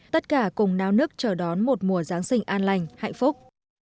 tất cả cùng nao nức chờ đón một mùa giáng sinh an lành hạnh phúc